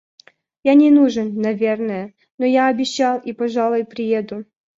Я не нужен, наверное, но я обещал и, пожалуй, приеду.